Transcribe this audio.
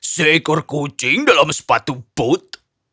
seekor kucing dalam sepatu pot